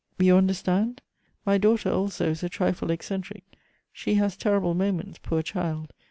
you understand? My daughter also is a trifle eccentric; she has terrible moments, poor child!